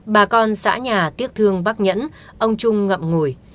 bà con xã nhà tiếc thương bắc nhẫn ông trung ngậm ngùi